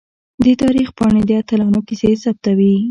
د تاریخ پاڼې د اتلانو کیسې ثبتوي.